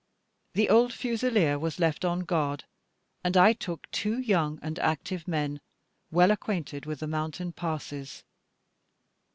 The old fusileer was left on guard, and I took two young and active men, well acquainted with the mountain passes.